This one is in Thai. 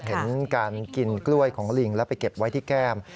เห็นการกินกล้วยของลิงแล้วไปเก็บไว้ที่แก้ม